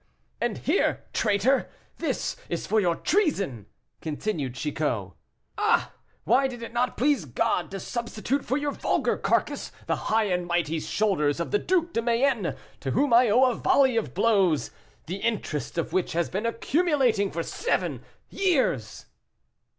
"And here, traitor, this is for your treason," continued Chicot. "Ah! why did it not please God to substitute for your vulgar carcass the high and mighty shoulders of the Duc de Mayenue, to whom I owe a volley of blows, the interest of which has been accumulating for seven years!"